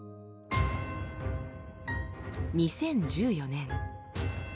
２０１４年。